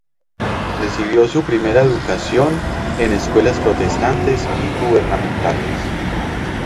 Recibió su primera educación en escuelas protestantes y gubernamentales.